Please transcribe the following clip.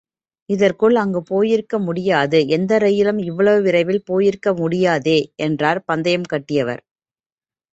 இதற்குள் அங்கே போயிருக்க முடியாது, எந்த ரயிலும் இவ்வளவு விரைவில் போயிருக்க முடியாதே என்றார் பந்தயம் கட்டியவர்.